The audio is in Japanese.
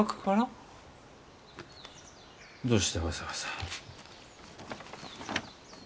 どうしてわざわざ。